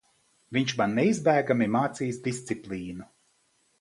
Viņš man neizbēgami mācīs disciplīnu.